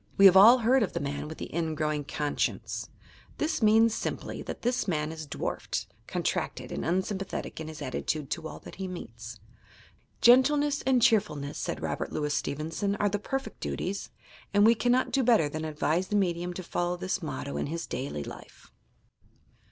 We have all heard of the man with the "ingrowing conscience." This means, simply, that this man is dwarfed, contracted and unsympathetic in his attitude to ail that he meets. "Gentleness and cheer fulness," said Robert Louis Stevenson, "are the perfect duties"; and we cannot do better than advise the medium to follow this motto in his daily life.